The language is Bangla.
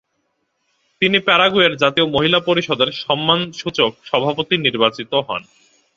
তিনি প্যারাগুয়ের জাতীয় মহিলা পরিষদের সম্মানসূচক সভাপতি নির্বাচিত হন।